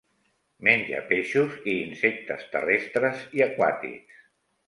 Menja peixos i insectes terrestres i aquàtics.